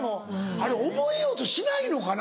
あれ覚えようとしないのかな？